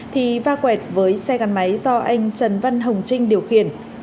thì va quẹt với xe gắn máy do anh trần văn hồng trinh điều khiển